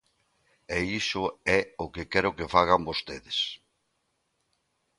E iso é o que quero que fagan vostedes.